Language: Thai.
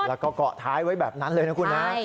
แล้วก็เกาะท้ายไว้แบบนั้นเลยนะคุณฮะ